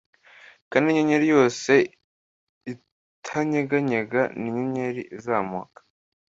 Kandi inyenyeri yose itanyeganyega ninyenyeri izamuka